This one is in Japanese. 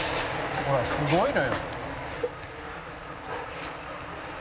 「ほらすごいのよ」